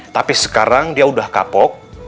tapi sekarang dia udah kapok